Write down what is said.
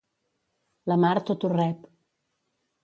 La mar tot ho rep.